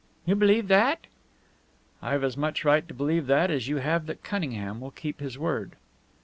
"You believe that?" "I've as much right to believe that as you have that Cunningham will keep his word."